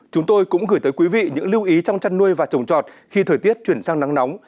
chúng tôi cũng gửi tới quý vị những lưu ý trong chăn nuôi và trồng trọt khi thời tiết chuyển sang nắng nóng